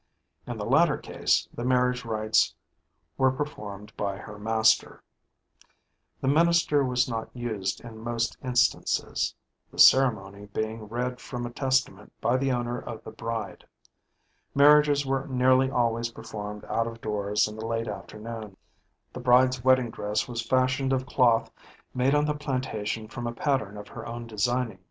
In the latter case, the marriage rites were performed by her master. The minister was not used in most instances the ceremony [HW: being] read from a testament by the owner of the bride. Marriages were nearly always performed out of doors in the late afternoon. The bride's wedding dress was fashioned of cloth made on the plantation from a pattern of her own designing.